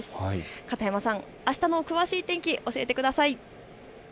片山さん、あしたの詳しい天気教えてください。